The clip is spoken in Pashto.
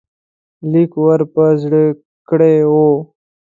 لیک ور په زړه کړی وو.